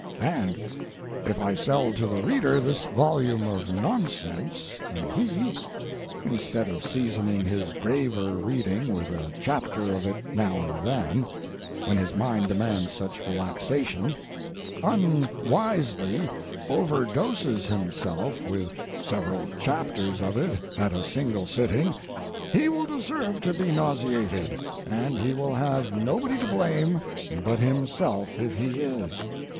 And if I sell to the reader this volume of nonsense, and he, instead of seasoning his graver reading with a chapter of it now and then, when his mind demands such relaxation, unwisely overdoses himself with several chapters of it at a single sitting, he will deserve to be nauseated, and he will have nobody to blame but himself if he is.